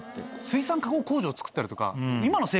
水産加工工場をつくったりとか。